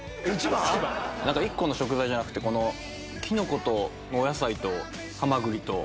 何か１個の食材じゃなくてキノコとお野菜とハマグリと。